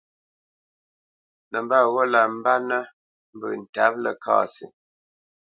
Nəmbat ghó lǎ mbánə́ mbə́ ntǎp Ləkasi.